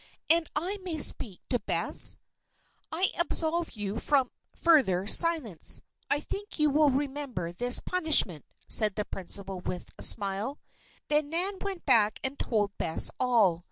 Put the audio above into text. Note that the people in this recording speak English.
"And I may speak to Bess?" "I absolve you from further silence. I think you will remember this punishment," said the principal, with a smile. Then Nan went back and told Bess all.